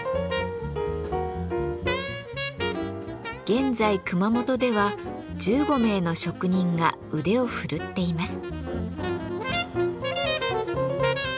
現在熊本では１５名の職人が腕を振るっています。